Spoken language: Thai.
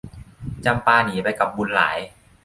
จำปาหนีไปกับบุญหลาย